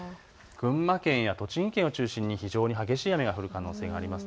群馬県や栃木県を中心に非常に激しい雨が降る可能性があります。